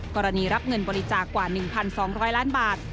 กรณีรับเงินบริจาคกว่า๑๒๐๐ล้านบาท